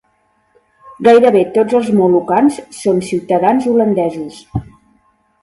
Gairebé tots els molucans són ciutadans holandesos.